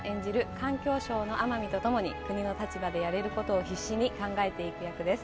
環境省の天海とともに国の立場でやれることを必死に考えていく役です